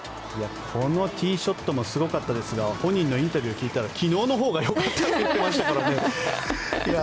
このティーショットもすごかったですが本人のインタビューを聞いたら昨日のほうがよかったと言ってましたからね。